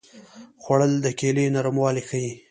خوړل د کیلې نرموالی ښيي